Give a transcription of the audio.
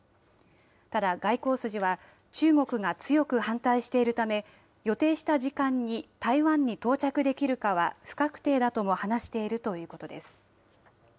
ただ、外交筋は、中国が強く反対しているため、予定した時間に台湾に到着できるかは不確定だとも話しているということです。